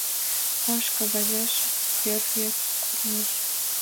Ош кагазеш пӧрвӧ корнеш